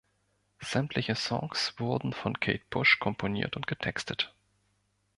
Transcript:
Sämtliche Songs wurden von Kate Bush komponiert und getextet.